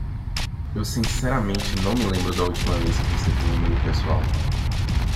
Eu sinceramente não me lembro da última vez que recebi um e-mail pessoal.